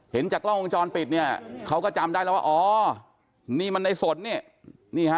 จากกล้องวงจรปิดเนี่ยเขาก็จำได้แล้วว่าอ๋อนี่มันในสนเนี่ยนี่ฮะ